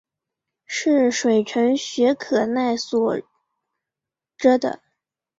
是水城雪可奈所着的日本漫画。